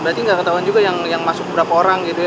berarti nggak ketahuan juga yang masuk berapa orang gitu ya